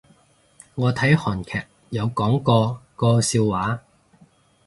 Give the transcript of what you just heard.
我睇韓劇有講過個笑話